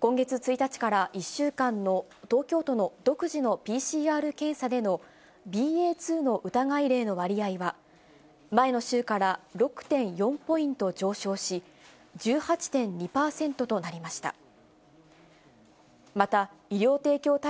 今月１日から１週間の東京都の独自のＰＣＲ検査でのＢＡ．２の疑い例の割合は前の週から６．４ポイント上昇し、１８．２％となりました。